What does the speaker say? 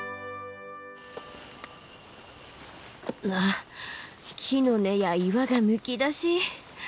うわっ木の根や岩がむき出し。